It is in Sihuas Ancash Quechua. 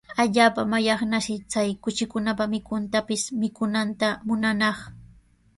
Allaapa mallaqnarshi chay kuchikunapa mikunantapis mikuytana munanaq.